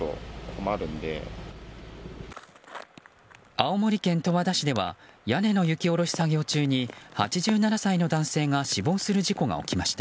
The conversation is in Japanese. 青森県十和田市では屋根の雪下ろし作業中に８７歳の男性が死亡する事故が起きました。